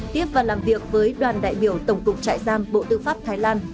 tiếp và làm việc với đoàn đại biểu tổng cục trại giam bộ tư pháp thái lan